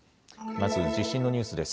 まず地震のニュースです。